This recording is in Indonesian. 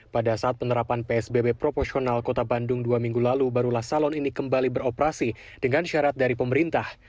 pada saat penerapan psbb proporsional kota bandung dua minggu lalu barulah salon ini kembali beroperasi dengan syarat dari pemerintah